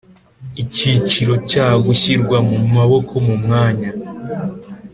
Icyiciro cya Gushyirwa mu maboko mu mwanya